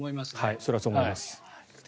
それはそう思います。